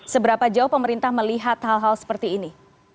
seberapa jauh pemerintah melihat hal hal seperti ini